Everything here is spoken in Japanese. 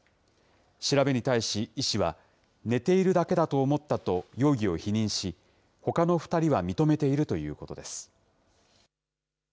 調べに対し、医師は寝ているだけだと思ったと、容疑を否認し、ほかの２人は認めているということです。